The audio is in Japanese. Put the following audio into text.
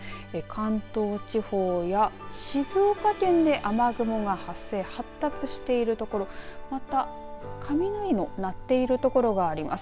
関東地方や静岡県で雨雲が発生発達している所また、雷の鳴っている所があります。